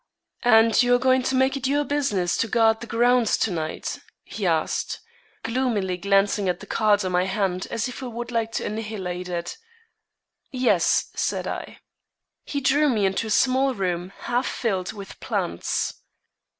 "And you are going to make it your business to guard the grounds to night?" he asked, gloomily glancing at the card in my hand as if he would like to annihilate it. "Yes," said I. He drew me into a small room half filled with plants.